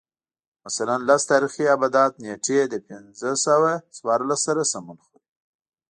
مثلاً لس تاریخي آبدات نېټې د پنځه سوه څوارلس سره سمون خوري